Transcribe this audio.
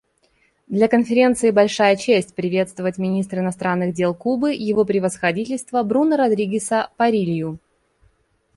Для Конференции большая честь приветствовать министра иностранных дел Кубы Его Превосходительство Бруно Родригеса Паррилью.